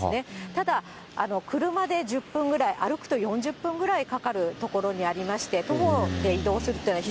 ただ、車で１０分ぐらい、歩くと４０分ぐらいかかる所にありまして、徒歩で移動するっていうのは、